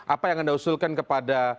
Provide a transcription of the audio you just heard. apa yang anda usulkan kepada